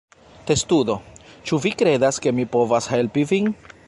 Testudo: "Ĉu vi kredas ke mi povas helpi vin?"